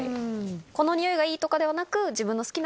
この匂いがいいとかではなく。